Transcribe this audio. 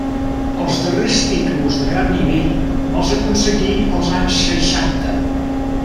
Els darrers títols de gran nivell els aconseguí als anys seixanta.